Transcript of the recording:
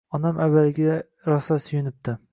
Onam avvaliga rosa suyunibdi